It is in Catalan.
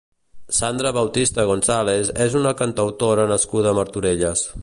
Sandra Bautista González és una cantautora nascuda a Martorelles.